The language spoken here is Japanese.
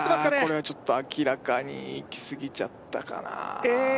これはちょっと明らかにいきすぎちゃったかなえ